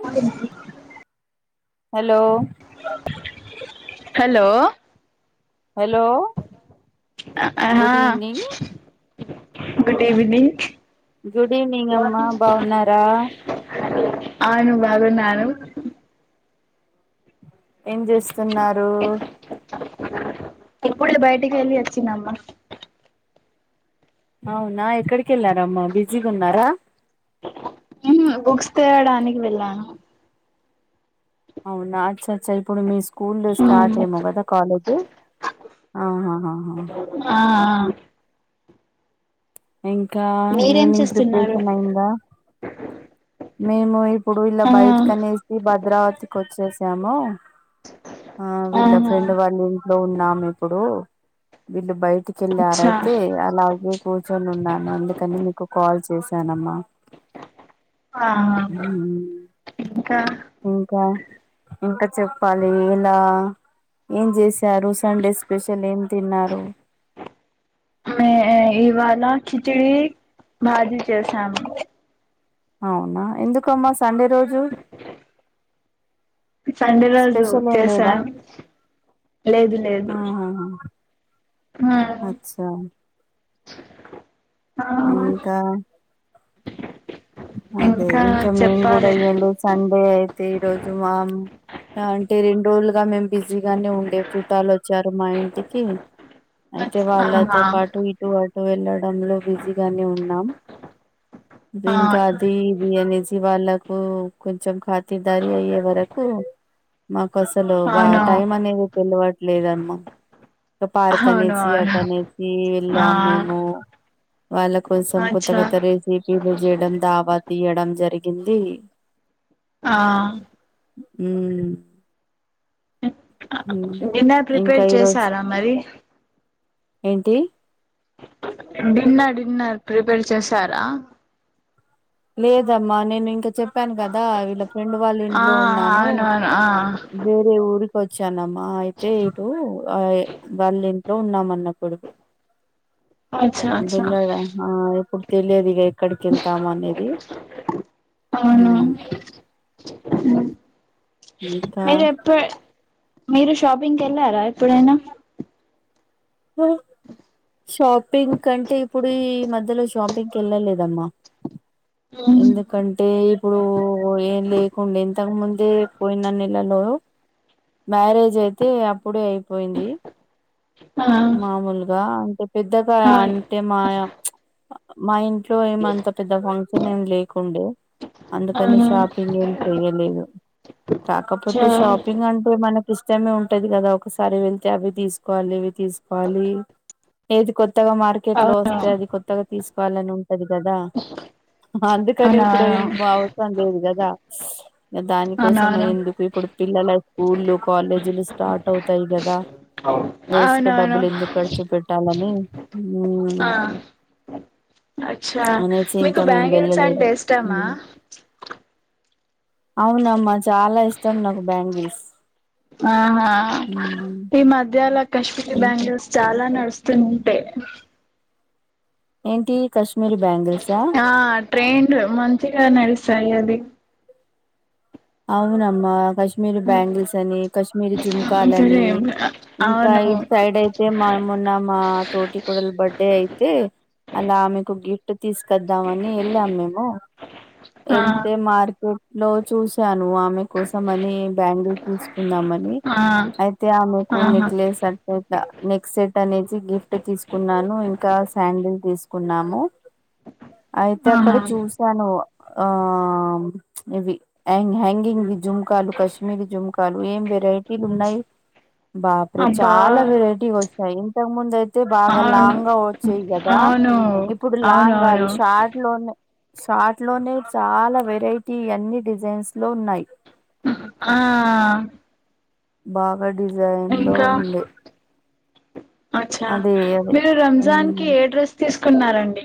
థ hello hello hello హా good evening good evening good evening అమ్మా బాగున్నారా అవును బాగునాను ఏం జెస్తున్నారు ఎప్పుడే బయటికి వెళ్ళి వచ్చినమ్మ అవునా ఎక్కడికి వెళ్ళారమ్మా బిజీగా ఉన్నారా పనికి వెళ్ళాను అవునా అచ్చ చ్చా ఇప్పుడు మీ స్కూల్ స్టార్ట్ ఎమో గదా కాలేజ్ ఆహహహ ఆ ఇంకా మీరేం ఈవినింగ్ చేస్తున్నారు ప్రిపరేషన్ అయిందా మేము ఇప్పుడు ఇలా ఆ బయట కనేసి భద్రావతికి వచ్చేసాము ఆ వీళ్ళ ఆహా ఫ్రెండ్ వాళ్ళ ఇంట్లో ఉన్నాము ఇప్పుడు వీళ్ళు బయ్ అచ్చా టికెళ్ళారైతే అలాగే కూర్చొని ఉన్నాను అందుకని మీకు కాల్ చేశానమ్మా ఆహా ఇంకా ఇంకా ఇంకా చెప్పాలి ఇలా ఏం చేశారు సండే స్పెషల్ ఏం తిన్నారు మే ఇవాళ కిచడి భాజీ చేసాము అవునా ఎందుకమ్మా సండే రోజు సండే రోజు స్పెషల్ ఏం చేశా లేదా లేదు లేదు ఆ అచ్చ ఆ ఇంకా అదే ఇంకా మేము కూడా ఏ లేదు సండే అయితే ఈ రోజు మామ్ అంటే రెండు రోజులుగా మేము బిజీగానే ఉండే చుట్టాలు వచ్చారు మా ఇంటికి అయితే ఆహా వాళ్ళతో పాటు ఇటు అటు వెళ్లడంలో బిజీగానే ఉన్నాం ఆ బింక అది ఇది అనె సి వాళ్ళకు కొంచెం ఖాతిదారి అయ్యే వరకు మాకు అసలు బా అవును టైం అనేది తెలివట్లేదమ్మా పార్క్ అవును అనేసి అవును అటనేసి ఆ వెళ్ళాం మేము వాళ్ళ కోసం కొత్త అచ్చా కొత్త రెసపీలు జెయడం తవా తీయడం జరిగింది ఆ ఊ డిన్నర్ ఇంకా ప్రిపేర్ ఈరోజు చేసారా మరి ఏంటి డిన్నర్ డిన్నర్ ప్రిపేర్ చేసారా లేదమ్మా నేను ఇంకా చెప్పాను కదా వీళ్ళ ఫ్రెండ్ వాళ్ళ ఆ ఇంట్లో ఉన్నాను అవును అవును ఆ వేరే ఊరి వచ్చానమ్మా అయితే ఇటు ఆ వాళ్ళ ఇంట్లో ఉన్నామపుడుకు అచ్చా అచ్చా దున్నడం ఆ ఇప్పుడు తెలియదు ఇగ ఎక్కడికి వెళ్తాము అనేది అవునా హ్మ్. ఉ ఇంకా మీరు ఎప్పు మీరు షాపింగ్ కెళ్లారా ఎప్పుడైనా ఉ షాపింగ్ కంటే ఇప్పుడు ఈ మధ్యలో షాపింగ్ కెళ్ళలేదమ్మా ఉమ్. ఎందుకంటే ఇప్పుడు ఏం లేకుండే ఇంతకుముం దే పోయిన నెలలో మ్యారేజ్ అయితే అప్పుడే అయిపోయింది ఆ మామూలుగా అంటే పెద్దగా ఆ అంటే మాయ ప్చ్ మా ఇన్ ట్లో ఏమంత పెద్ద ఫంక్షన్ ఏం లేకుండే అందుకని అవును షాపింగ్ ఏం చెయలేదు చ కాకపోతే షాపింగ్ అంటే మనక్ ఇష్టమే ఉంటది కదా ఒకసారి వెళ్తే అవి తీసుకోవాలి ఇవి తీసుకోవాలి ఏది కొద్ కొత్తగా మార్కెట్ లో అవును వస్తే అది కొత్తగా తీసుకోవాలని ఉంటది కదా అందుకని ఇప్పుడు ఏం అవునవును అవసరం లేదు కదా దానికోసం అని అవునవును ఎందుకు ఇప్పు ఇప్పుడు పిల్లల స్కూళ్లు కాలేజీలు స్టార్ట్ అవుతాయి కదా అవును ఆవును ఇప్ డబ్బులు ఎందుకు ఖర్చు పెట్టాలని ఆ ఉమ్, అచ్చా అనేసి మీకు ఇంకా మేము బ్యాంగిల్స్ వెళ్ళలేదు అంటే ఇష్టామా ఉమ్. అవునమ్మా చాలా ఇష్టం నాకు బ్యాంగిల్స్ ఆహా ఉమ్, ఈ మధ్యల కశ్మీర్ ఇంకా బ్యాంగిల్స్ చాలా అ నడుస్తుంటే ఏంటి కశ్మీరి బ్యాంగిల్స్ ఆ ట్రేండ్లు మంచిగా నడుస్తాయి అది అవునమ్మా కాశ్మీరి బ్యాంగిల్స్ అని కాశ్మీరి జుంకాల్ సరే అని ఇంకా అవును ఇట్ సైడ్ అయితే మ మొన్న మా తోటి కోడల్ బర్త్డే అయితే అలా మీకు గిఫ్ట్ తీసుకద్దామని వెళ్ళాం మేము ఆ ఎళ్తే మార్కెట్ లో చూసాను ఆమె కోసం అని బ్యాంగిల్ తీసుకుందామని ని ఆ అయితే ఆమెకు ఆహా నెక్లేస్ అట్లేట్లా నెక్ సెట్ అనేసి గిఫ్ట్ తీసుకున్నాను ఇంకా సాండిల్ తీసుకున్నాము అయితే అక్కడ ఆహా చూసాను ఆ ప్చ్ ఇవి అండ్ హ్యాంగింగ్ వి జుంకాలు కశ్మీరీ జుంకాలు ఏం వెరైటీలున్నాయి బాప్రే అబ్బా చాలా వెరైటీ వస్తాయి ఇంతకు ముందయి తే బాగా అవును లాంగ్ గా వచ్చేయి కదా అవును ఇప్పుడు లాంగ్ గాదు అవునవును షార్ట్ లోనే సాట్ లోనే చాలా వెరైటీ అన్ని డిజైన్స్ లో ఉన్నాయి ఆ బాగా డిజైన్ లో ఇంకా ఉండే అచ్చా మీరు రంజాన్ కి ఉమ్, ఏ డ్రెస్ తీసుకున్నారండి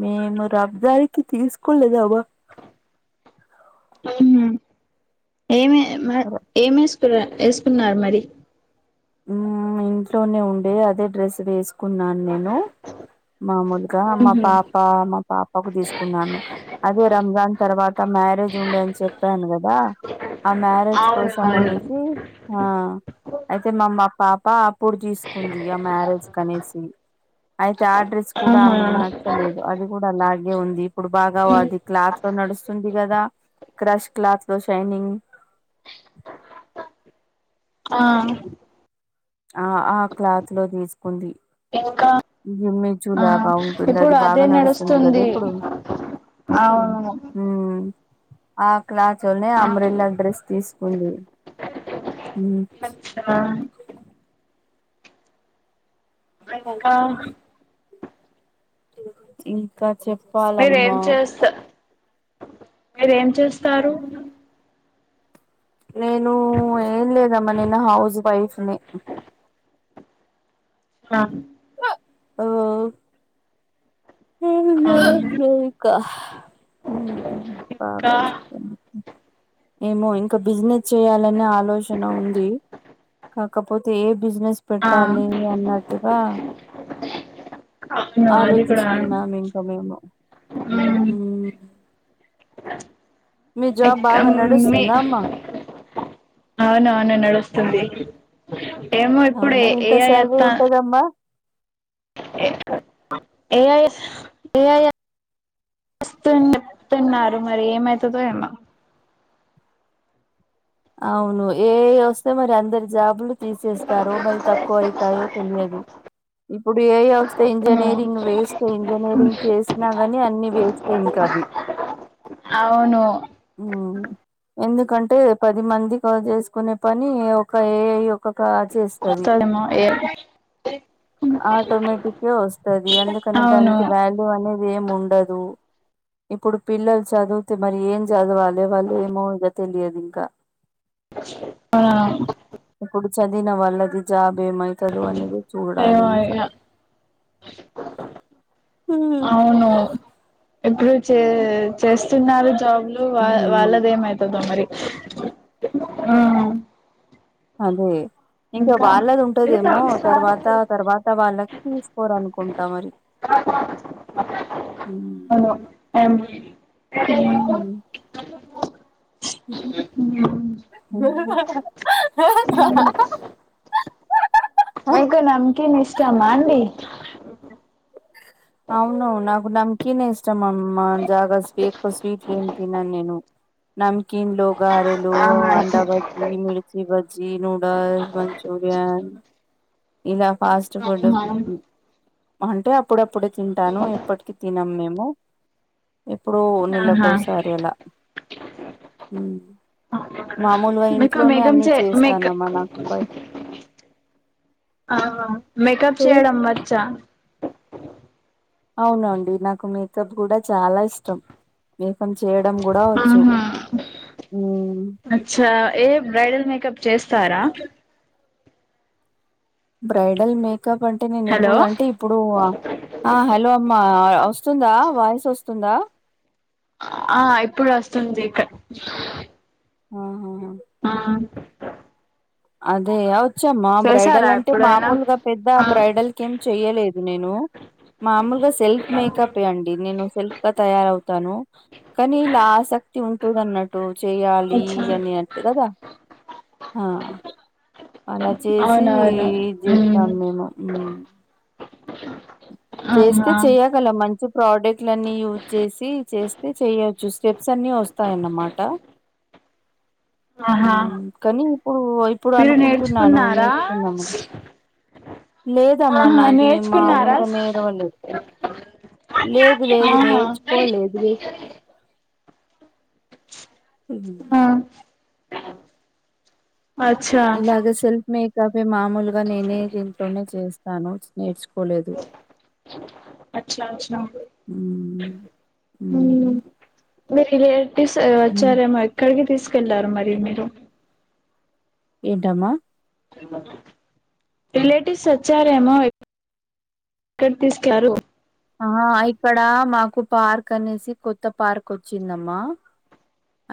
మేము రంజాన్ కి తీసుకోలేదమ ఉమ్ ఏమే మ ర- ఏమేసుకున ఏసుకున్నారు మరి ఉమ్ ఇంట్లోనే ఉండే అదే డ్రెస్ వేసుకున్నాను నేను మామూలు క మా ఉహు పాప మా పాపకు తీసుకున్నాను అదే రంజాన్ తర్వాత్ త మ్యారేజ్ ఉందని చెప్పాను కద్ దా ఆ మ్యారేజ్ అవును కోసం అవును అనేశి ఆ అయితే మా మా పాప అప్పుడు తీసుకుంది ఆ మ్యారేజ్ కనేసి అయి తే ఆ ఆడ్రెస్ కూడా ఆహా ఆమెకు నచ్చలేదు. అది కూడా అలా గే ఉంది, ఇప్పుడు బాగా అది క్లాత్లో నడుస్తుంది కదా క్రష్ క్లాత్లో షైనింగ్ ఆ ఆ ఆ క్లాత్లో తీసుకుంది. ఇంకా గి ఆ మిచోఆప్ బాగుంటుంది, అది ఇప్పుడు బాగా అదే నడుస్తుంది కదా ఇప్పుడు. అవును హ్మ్ ఆ క్లాత్ లోనే ఆ అంబ్రెల్లా డ్రెస్ తీసుకుంది. ఉమ్ ఆ ఇంకా ఇంకా మీరేం చెప్పాలమ్మా చేస్తా మీరేం చేస్తారు? నేను ఏం లేదమ్మా. నేను హౌస్ వైఫ్ ని. హా ఓ నేను ఆ జడేసుకోవాలి ఇంకా. ఆ ఇంకా బస్ పోయింది. ఏమో ఇంకా బిజినెస్ చేయాలనే ఆలోచన ఉంది కాకపోతే ఏ బిజినెస్ ఆ పెట్టాలి అన్నట్టుగా అవును అది కూడా ఆలోచిస్తున్నాం ఇంకా మేము ఉమ్ ఉమ్. మీ జాబ్ ఎక్క బాగా మీ నడుస్తుందా అమ్మా అవునవును నడుస్తుంది ఏమో ఇప్పుడు ఏ అవునా ఎంత ఏఐ అత్త శాలరీ ఉంటదమ్మా ఏఐ ఏఐ అస్తుంది చెప్పిన్నారు మరి ఏమైతదో ఏమో. అవును ఏఐ వస్తే మరి అందరి జాబులు తీసేస్తారో, మరి తక్కువ ఐతాయో తెలియదు. ఇప్పుడు ఏఐ వస్ స్తే అవును ఇంజనీరింగ్ వేస్టే ఇంజనీరింగ్ చేసినా గాని అన్ని వేస్టే ఇంకా అవి. అవును. ఉమ్. ఎందుకంటే పది మంది వర్క్ చేసుకునే పని ఒక ఏఐ ఒకక వస్తదేమో ఏఐ ఆటోమేటికే వస్తది ఎందుకంటే అవును దానికి వాల్యూ అనే ది ఎముండదు. ఇప్పుడు పిల్లలు చదువుతే మరి ఏం చదవాలే వాళ్ళు ఏమో ఇగ తెలియదు ఇంకా. ఆ చదిన వాళ్లకు జాబేమైతదో అనేది చూడాలి ఏమో ఇంకా. ఇగ హ్మ్ అవును ఇప్పుడు చే చేస్తున్నారు జాబ్లు వా వాళ్ళది హ్మ్ ఏమైతదో మరి. ఆ అదే ఇంకా వాళ్ళది ఉంటదేమో తర్వాత తర్వాత వాళ్ళకి తీసుకోరనుకుంటా మరి. హ్మ్. హలో ఎం హ్ అర్ అయితే నమ్ కిన్ ఇష్టమ్మా అండి అక్కిన ఇష్టం అమ్ జాగ బ స్వీట్లుం తినను నేను నమ్ కిన్లు గారెలు అండా ఆహా భజ్జీ మిర్చి భజ్జీ నూడల్స్ మంచూరియన్ ఇలా ఫాస్ట్ ఫుడ్ అంటే అప్పుడుప్పు ఇప్పుడు తింటాను ఎప్పటికి తినం మేము ఎప్పుడో నెల ఆహా కోసారు అలా ఉమ్ మామూలుగా మీకు ఇంట్లోనే మేకప్ అన్ని చే మేక చేస్తానమ్మా నాకు బయ ఆ మేకప్ చేయడం వచ్చా అవునండి నాకు మేకప్ కూడా చాలా ఇష్టం వపం చేయడం కూడా వచ్చు ఆహా మ్మ్. అచ్చా ఏ బ్రైడల్ మేకప్ చేస్తారా బ్రైడల్ మేకప్ అంటే నేను హలో ఇప్పుడు అంటే ఇప్పుడు ఆ హలో అమ్మా వస్తుందా వాయిస్ వస్తుందా ఆ ఇప్పుడు వస్తుంది ఇక్క ఆహ ఆ అదే అవత్ వచ్చమ్మా బ్రైడల్ చేసారా అంటే ఎప్పుడైనా మామూలుగా పెద్ద ఆ బ్రైడల్ క ఏం చెయ్యలేదు నేను మామూలుగా సెల్ఫ్ మేకప్ ఏ అండి నేను సెల్ఫ్ గా తయారవు తాను కానీ ఇలా ఆసక్తి ఉంటుందన్నట్టు చెయ్యాలీ అచ్చా అన్ని అటు కదా అలా చేసి అవునవును ఇది ఉమ్ చేస్తాము మేము ఉమ్ చేస్తే ఆహా చెయ్యగలం మంచి ప్రోడక్ట్లు అన్నీ యూజ్ చేసి చేస్తే చెయ్య కొంచు స్టెప్స్ అన్ని వస్తాయి అన్నమాట ఆహా ఉమ్ కానీ ఇప్పుడు ఇప్పుడు మీరు అనుకుంటున్నాను నేర్చుకున్నారా నేర్చుకుందామని లేదమ్మా ఆహా నాది మా నేర్చుకున్నారా ముందుగానే విలువలు లెవు లేదు లేదు ఆహా నేర్చుకోలేదు లేదు హమ్ ఆ అచ్చా మేకపే మామూలుగా నేనే దీంట్లోనే చేస్తాను నేర్చుకును అచ్చా అచ్చా అమ్ ఉమ్ మీ రిలేటివ్స్ వచ్చారేమో ఎక్కడికి తీసుకెళ్లారు మరి మీరు ఏంటమ్మా రిలేటివ్స్ వచ్చారేమో ఎక్కడకి తీసుకు క్యాల్యారు. ఆ ఇక్కడ మాకు పార్క్ అనేసి కొత్త పార్క్ వచ్చిందమ్మా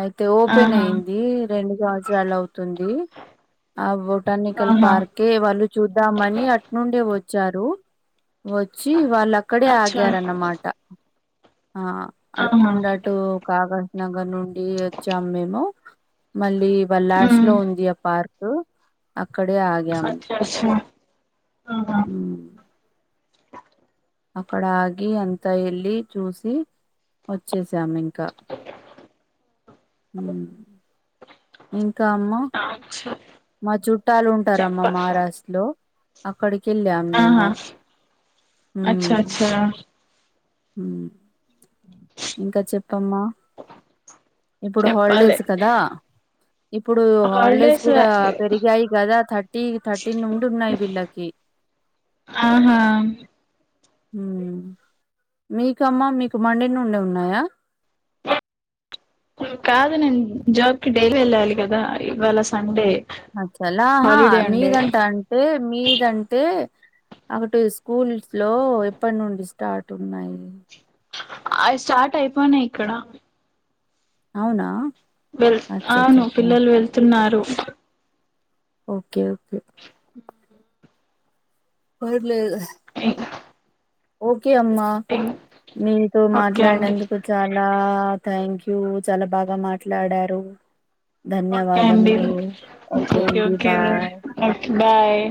అయితే ఓపెన్ ఆహా అయింది రెండు సంవత్సరాలు అవుతుంది ఆ బొటానికల్ ఆహా పార్కే ఏ వాళ్ళు చూద్దామని అటు నుండే వచ్చు వచ్చారు వచ్చి వాళ్ళు అక్కడే అచ్చా ఆగారన్నమాట ఆ ఆహా అటుండి అటు కాగా నగర్ నుండి వచ్చాం మేము మళ్ళీ వల్లాడ్ష్ ఉమ్ లో ఉంది ఆ పార్క్ ఇప్పుడు అక్కడే ఆగ్యామ్ అచ్చా అచ్చా ఆహా ఉ అక్కడ ఆగి అంత వెళ్ళి చూసి వచ్చేసాము ఇంకా హు ఇంకా అమ్మా అచ్చా మా చుట్టాలు చెప్ప ఉంటారమ్మ మహారాష్ట్ర లో అక్కడికి వెళ్ళాం మేము అచ్చ అచ్చా మ్ కమ్మ ఇప్పుడు చెప్పాలి హాలిడేస్ కదా ఇప్పుడు హాలిడేస్ కూడ పెరిగాయి కదా థర్టీ థర్టీన్ ఉండిన్నాయి వీళ్ళకి ఆహా మీకమ్మ మీకు మండె నుండె ఉన్నాయా కాదు నేను జాబ్కిి డైలీ వెళ్ళాలి కదా ఇవాళ సండే అచ్చలాహా హాలిడే ఉండే మీదంటాంటే మీదంటే ఒకటి స్కూల్స్ లో ఎప్పటి నుండి స్టార్ట్ ఉన్నాయి అ స్టార్ట్ అయిపోనాయి ఇక్కడ అవునా వెళ్ అవును అచ్చచ్చచ్చ పిల్లలు వెళ్తున్నారు ఓకే ఓకె పర్లేదు ఓకే అమ్మా మీతో ఓకే అండి మాట్లాడినందుకు చాలా థ్యాంక్ యూ చాలా బాగ మాట్లాడారు ఓకే అండి ధన్యవాదములు ఓకే అండీ బాయ్ ఓకే బాయ్